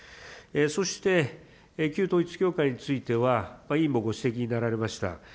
そして旧統一教会については委員もご指摘になられました、